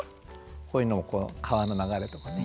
こういうのも川の流れとかね。